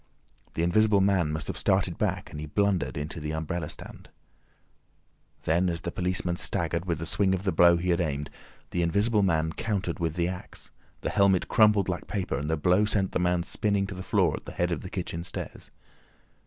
The Invisible Man must have started back, and he blundered into the umbrella stand. Then, as the policeman staggered with the swing of the blow he had aimed, the Invisible Man countered with the axe, the helmet crumpled like paper, and the blow sent the man spinning to the floor at the head of the kitchen stairs.